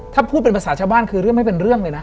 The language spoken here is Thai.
ถ้าพูดเป็นภาษาชาวบ้านคือเรื่องไม่เป็นเรื่องเลยนะ